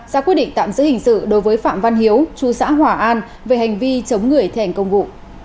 ra quyết định tạm giữ hình sự đối với phạm văn hiếu chú xã hòa an về hành vi chống người thi hành công vụ